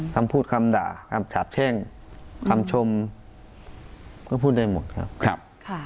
คำพูดคำด่าคำสาบแช่งคำชมก็พูดได้หมดครับ